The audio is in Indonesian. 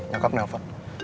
ya ampun ya bu